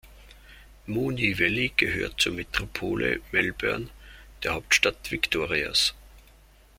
Moonee Valley gehört zur Metropole Melbourne, der Hauptstadt Victorias.